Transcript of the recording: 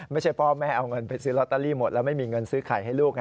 ไม่ใช่พ่อแม่เอาเงินไปซื้อลอตเตอรี่หมดแล้วไม่มีเงินซื้อไข่ให้ลูก